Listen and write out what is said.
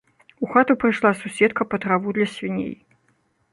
У хату прыйшла суседка па траву для свіней.